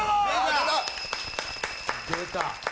出た！